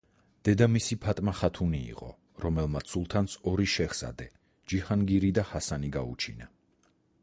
დედამისი ფატმა ხათუნი იყო, რომელმაც სულთანს ორი შეჰზადე: ჯიჰანგირი და ჰასანი გაუჩინა.